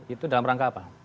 itu dalam rangka apa